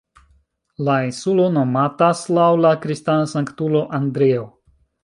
La insulo nomatas laŭ la kristana sanktulo Andreo.